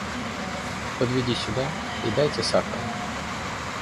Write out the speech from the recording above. Подведи сюда, и дайте сахару.